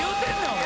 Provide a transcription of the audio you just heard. お前。